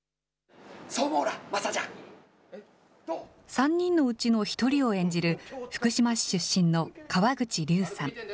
３人のうちの１人を演じる福島市出身の川口龍さん。